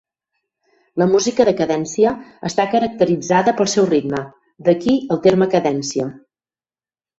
La música de cadència està caracteritzada pel seu ritme, d'aquí el terme "cadència".